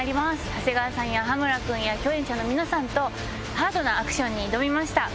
長谷川さんや羽村君や共演者の皆さんとハードなアクションに挑みました。